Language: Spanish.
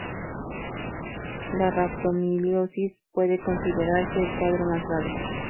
La rabdomiólisis puede considerarse el cuadro más grave.